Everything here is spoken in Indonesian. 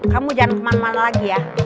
kamu jangan kemana mana lagi ya